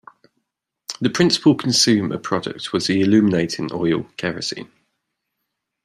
The principal consumer product was the illuminating oil kerosene.